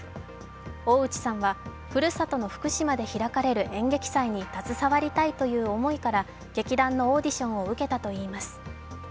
大内さんは、ふるさとの福島で開かれる演劇祭に携わりたいという思いから劇団のオーディションを受けたといいます。